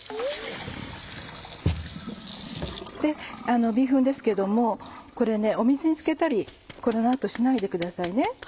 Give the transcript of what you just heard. であのビーフンですけどもこれね水につけたりこの後しないでくださいね。